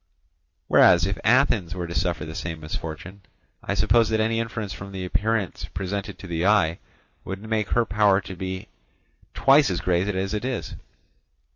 Whereas, if Athens were to suffer the same misfortune, I suppose that any inference from the appearance presented to the eye would make her power to have been twice as great as it is.